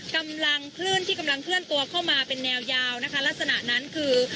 กำลังคลื่นที่กำลังเคลื่อนตัวเข้ามาเป็นแนวยาวนะคะลักษณะนั้นคือ